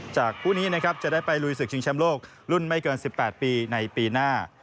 คู่นี้นะครับจะได้ไปลุยศึกชิงแชมป์โลกรุ่นไม่เกิน๑๘ปีในปีหน้า